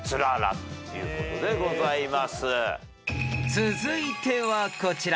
［続いてはこちら］